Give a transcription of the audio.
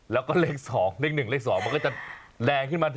แล้วก็เลข๒เลข๑เลข๒มันก็จะแดงขึ้นมา